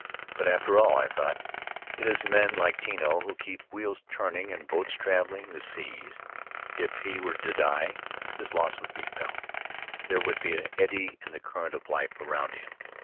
But, after all, I thought, it is men like Tino who keep wheels turning and boats traveling the seas. If he were to die, his loss would be felt; there would be an eddv in the current of life around him.